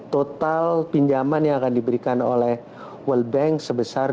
total pinjaman yang akan diberikan oleh world bank sebesar